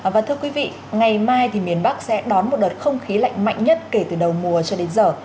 và thưa quý vị ngày mai thì miền bắc sẽ đón một đợt không khí lạnh mạnh nhất kể từ đầu mùa cho đến giờ